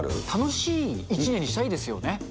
楽しい一年にしたいですよね。